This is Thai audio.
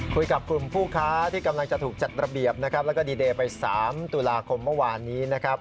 คุยกับกลุ่มผู้ค้าที่กำลังจะถูกจัดระเบียบนะครับแล้วก็ดีเดย์ไป๓ตุลาคมเมื่อวานนี้นะครับ